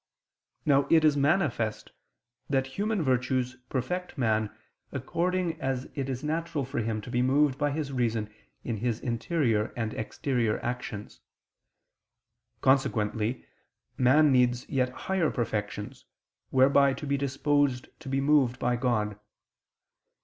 Now it is manifest that human virtues perfect man according as it is natural for him to be moved by his reason in his interior and exterior actions. Consequently man needs yet higher perfections, whereby to be disposed to be moved by God.